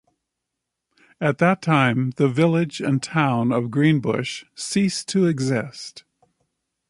At that time the Village and Town of Greenbush ceased to exist.